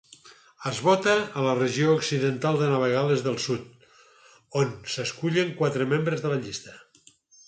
Es vota a la regió occidental de Nova Gal·les del Sud, on s'escullen quatre membres de la llista.